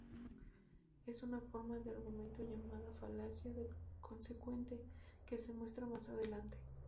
Es una forma de argumento llamada falacia del consecuente, que se muestra más adelante.